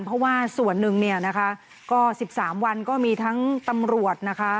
เพราะว่าส่วนหนึ่งเนี่ยนะคะก็๑๓วันก็มีทั้งตำรวจนะคะ